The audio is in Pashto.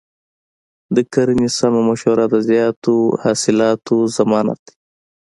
د کرنې سمه مشوره د زیاتو حاصلاتو ضمانت دی.